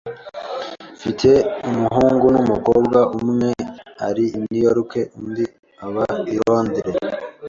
Mfite umuhungu n'umukobwa .Umwe ari i New York, undi i Londres .